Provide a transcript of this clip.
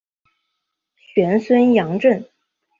玄孙杨震。